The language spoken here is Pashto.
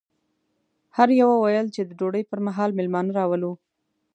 هر یوه ویل چې د ډوډۍ پر مهال مېلمانه راولو.